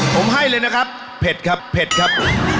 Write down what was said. ผมให้เลยนะครับเผ็ดครับเผ็ดครับ